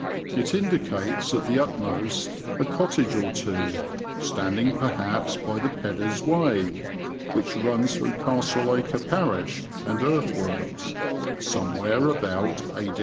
It indicates at the utmost a cottage or two, standing perhaps by the Peddar's Way (which runs through Castleacre parish, and earthworks) somewhere about A.